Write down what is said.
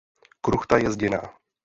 Kruchta je zděná.